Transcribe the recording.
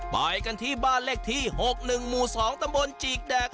ไปกันที่บ้านเลขที่หกหนึ่งหมู่สองตำบลจีกแดก